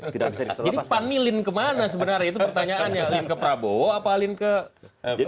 jadi pan i lin kemana sebenarnya itu pertanyaannya lin ke prabowo apa lin ke jokowi